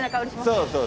そうそう。